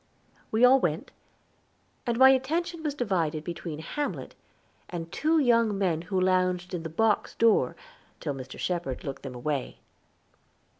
We all went, and my attention was divided between Hamlet and two young men who lounged in the box door till Mr. Shepherd looked them away.